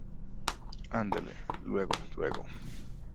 andele, luego , luego.